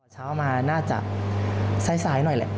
เช้ามาหน้าจากไส้หน่อยแหล่ะ